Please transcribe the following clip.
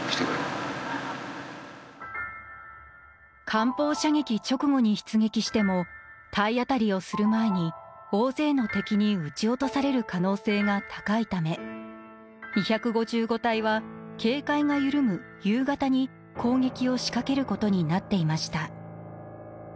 艦砲射撃直後に出撃しても体当たりをする前に大勢の敵に撃ち落とされる可能性が高いため二五五隊は警戒が緩む夕方に攻撃を仕掛けることになっていました。